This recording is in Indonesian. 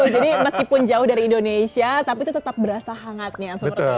jadi meskipun jauh dari indonesia tapi tetap berasa hangatnya